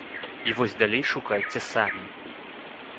І вось далей шукайце самі.